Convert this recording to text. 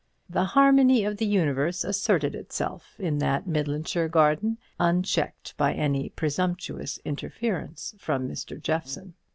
The harmony of the universe asserted itself in that Midlandshire garden, unchecked by any presumptuous interference from Mr. Jeffson.